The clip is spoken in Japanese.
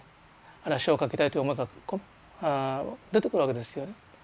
あるいは詩を書きたいという思いが出てくるわけですよね。